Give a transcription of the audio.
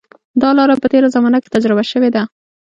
دا لاره په تېره زمانه کې تجربه شوې ده.